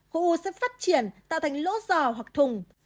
khu u sẽ phát triển tạo thành lỗ dò hoặc thùng